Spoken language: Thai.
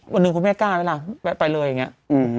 วันหนึ่งคุณแม่กล้าไหมล่ะไปไปเลยอย่างเงี้ยอืม